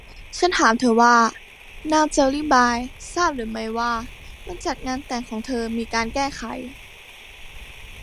ฉันถามเธอว่า นางเจลลีบายทราบหรือไม่ว่าวันจัดงานแต่งของเธอมีการแก้ไข